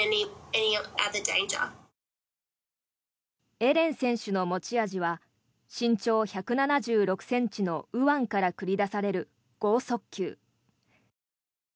エレン選手の持ち味は身長１７６ｃｍの右腕から繰り出される豪速球。